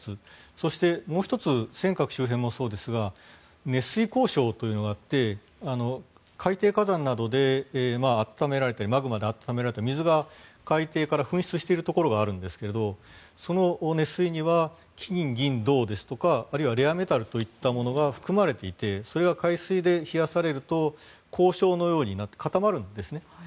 そして、もう１つ尖閣周辺もそうですが熱水鉱床というのがあって海底火山などで温められたマグマで温められた水が海底から噴出しているところがあるんですがその熱水には金銀銅ですとかあるいはレアメタルといったものが含まれていてそれが海水で冷やされると鉱床のようになって固まるんですね。